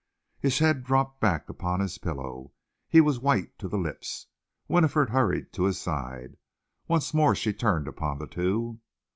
His head dropped back upon his pillow. He was white to the lips. Winifred hurried to his side. Once more she turned upon the two.